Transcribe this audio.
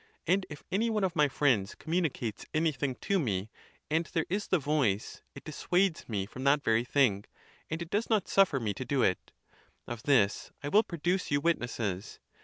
And, if any one of my friends communicates any thing to me, and there is the voice, it dissuades me from that very thing, and it does not suffer me to do it. Of this I will produce you witnesses.